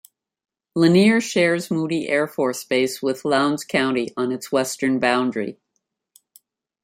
Lanier shares Moody Air Force Base with Lowndes County on its western boundary.